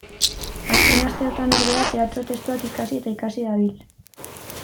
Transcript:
Azken asteotan, ordea, teatro-testuak ikasi eta ikasi dabil.